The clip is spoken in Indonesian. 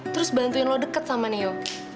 terus bantuin lo deket sama neo